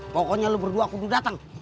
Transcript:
pokoknya lu berdua kudu dateng